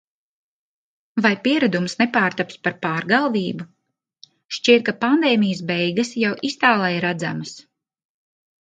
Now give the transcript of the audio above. Vai pieradums nepārtaps par pārgalvību? Šķiet, ka pandēmijas beigas jau iztālē redzama.